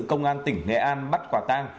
công an tỉnh nghệ an bắt quả tang